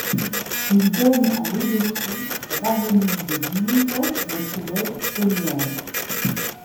Il donne à l'évêché la baronnie de Douvres dont il est seigneur.